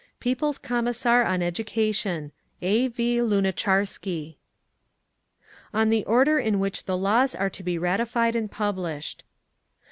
People's Commissar on Education, A. V. LUNACHARSKY. _On the Order in Which the Laws Are to be Ratified and Published.